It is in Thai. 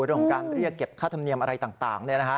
เรื่องของการเรียกเก็บค่าธรรมเนียมอะไรต่าง